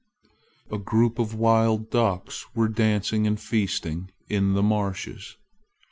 A group of wild ducks were dancing and feasting in the marshes.